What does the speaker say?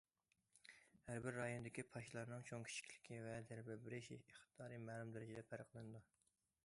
ھەر بىر رايوندىكى پاشىلارنىڭ چوڭ- كىچىكلىكى ۋە زەربە بېرىش ئىقتىدارى مەلۇم دەرىجىدە پەرقلىنىدۇ.